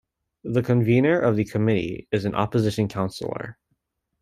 The Convener of the Committee is an opposition Councillor.